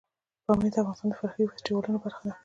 پامیر د افغانستان د فرهنګي فستیوالونو برخه ده.